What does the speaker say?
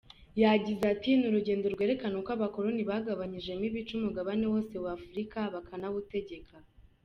Yagize ati “Ni urugendo rwerekana uko abakoloni bagabanyijemo ibice umugabane wose wa Afurika, bakanawutegeka.